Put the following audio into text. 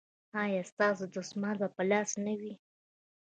ایا ستاسو دستمال به په لاس نه وي؟